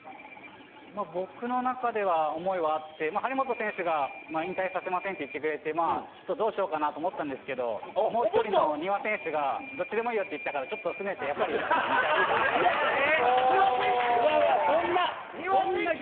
僕の中では想いはあって、張本選手が引退させませんって言ってくれて、ちょっとどうしようかなと思ったんですけど、もう１人の丹羽選手がどっちでもいいよって言ったから、ちょっと丹羽選手。